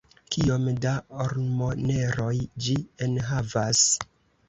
kiom da ormoneroj ĝi enhavas?